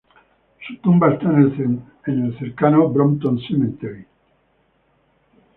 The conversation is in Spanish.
Su tumba está en el cercano Brompton Cemetery.